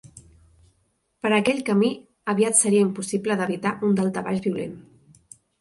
Per aquell camí aviat seria impossible d'evitar un daltabaix violent.